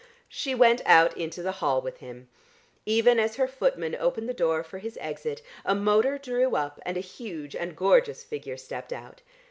She went out into the hall with him. Even as her footman opened the door for his exit, a motor drew up, and a huge and gorgeous figure stepped out.